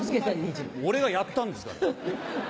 俺がやったんですから。